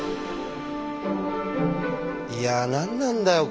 いや何なんだよ